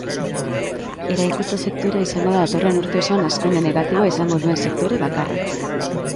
Eraikuntza sektorea izango da datorren urte osoan hazkunde negatiboa izango duen sektore bakarra.